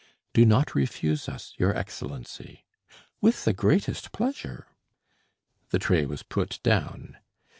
"Do not refuse us, your Excellency." "With the greatest pleasure." The tray was put down.